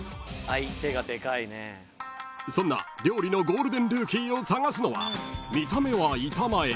［そんな料理のゴールデンルーキーを探すのは］